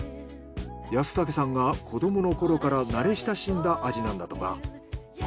安武さんが子どもの頃から慣れ親しんだ味なんだとか。